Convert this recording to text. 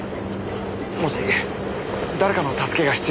もし誰かの助けが必要だったら。